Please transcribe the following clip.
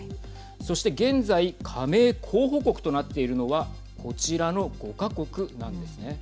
そして現在加盟候補国となっているのはこちらの５か国なんですね。